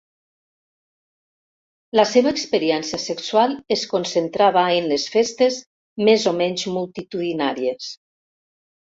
La seva experiència sexual es concentrava en les festes més o menys multitudinàries.